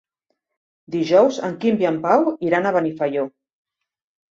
Dijous en Quim i en Pau iran a Benifaió.